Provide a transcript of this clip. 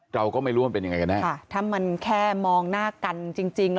เราก็ไม่รู้ว่ามันเป็นยังไงกันแน่ค่ะถ้ามันแค่มองหน้ากันจริงจริงแล้ว